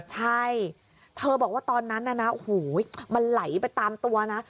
ใช่เธอบอกว่าตอนนั้นมันไหลไปตามตัวนะ